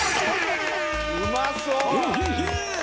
「うまそう！」